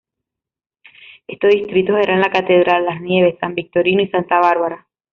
Estos distritos eran La Catedral, Las Nieves, San Victorino y Santa Bárbara.